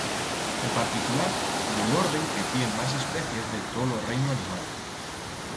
En particular, de l'orden que tien mas especies de tot lo reino animal.